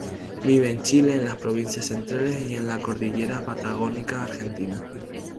Vive en Chile en las provincias centrales y en la cordillera patagónica Argentina.